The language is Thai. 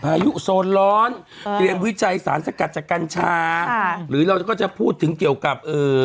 พายุโซนร้อนเตรียมวิจัยสารสกัดจากกัญชาค่ะหรือเราก็จะพูดถึงเกี่ยวกับเอ่อ